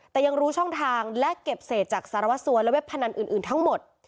แต่ยังรู้ช่องทางและเก็บเศษจากสารวัสสัวและเว็บพนันอื่นทั้งหมด